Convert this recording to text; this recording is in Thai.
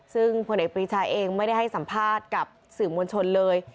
ซึ่งผลเอกปรีชาเองไม่ได้ให้สัมภาษณ์กับสื่อมวลชนเลย